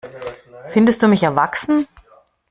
Findest du mich erwachsen?